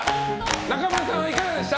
中村さんはいかがでした？